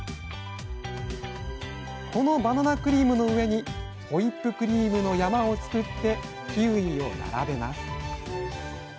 このバナナクリームの上にホイップクリームの山を作ってキウイを並べます。